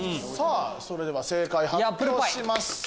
それでは正解発表します。